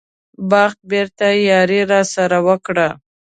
بخت بېرته یاري راسره وکړه.